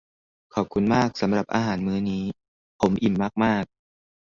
ขอบคุณมากสำหรับอาหารมื้อนี้ ผมอิ่มมาก ๆ